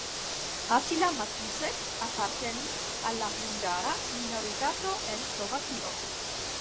Attila Matusek apartenis al la hungara minoritato en Slovakio.